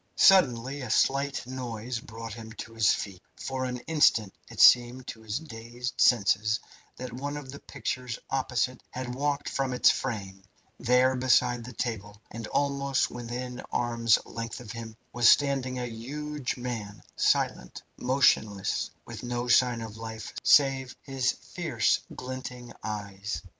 Suddenly a slight noise brought him to his feet. For an instant it seemed to his dazed senses that one of the pictures opposite had walked from its frame. There, beside the table, and almost within arm's length of him, was standing a huge man, silent, motionless, with no sign of life save his fierce glinting eyes.